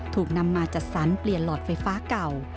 ถูกนำมาจัดสรรเปลี่ยนหลอดไฟฟ้าเก่า